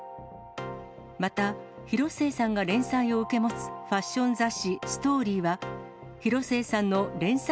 また、広末さんが連載を受け持つファッション雑誌、ＳＴＯＲＹは、広末さんの連載